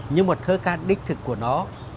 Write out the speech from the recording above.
nhưng mà thơ ca đích thực của nó